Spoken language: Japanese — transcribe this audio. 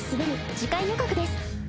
次回予告です